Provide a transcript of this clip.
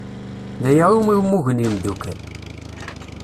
D aya iwmi mmugen yimdukal.